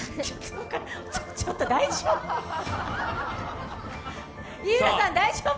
ちょっと大丈夫？